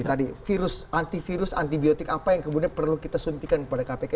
tadi virus antivirus antibiotik apa yang kemudian perlu kita suntikan kepada kpk